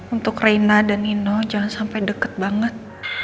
untuk reina dan nino jangan sampai deket banget